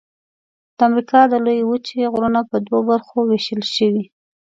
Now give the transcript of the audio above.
د امریکا د لویې وچې غرونه په دوو برخو ویشل شوي.